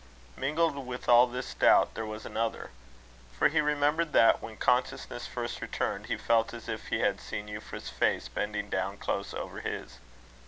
Mingled with all this doubt, there was another. For he remembered that, when consciousness first returned, he felt as if he had seen Euphra's face bending down close over his.